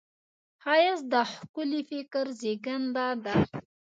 ښایست د ښکلي فکر زېږنده ده